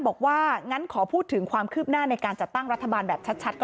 บอกว่างั้นขอพูดถึงความคืบหน้าในการจัดตั้งรัฐบาลแบบชัดก่อน